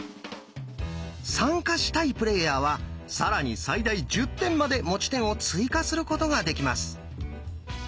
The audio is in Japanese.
参加したいプレーヤーは更に最大１０点まで持ち点を追加することができます。